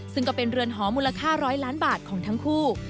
ซึ่งก็เป็นเรือนหอมูลค่า๑๐๐ล้านบาทของทั้งคู่